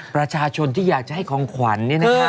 ประชาชนที่อยากจะให้ของขวัญ